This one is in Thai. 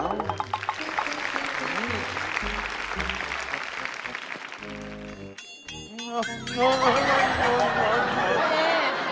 น้ำคุณคุณคุเลย